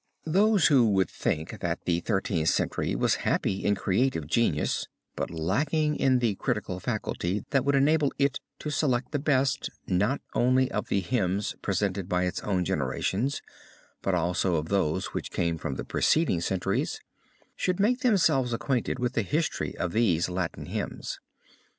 Those who would think that the Thirteenth Century was happy in creative genius but lacking in the critical faculty that would enable it to select the best, not only of the hymns presented by its own generations but also of those which came from the preceding centuries, should make themselves acquainted with the history of these Latin hymns.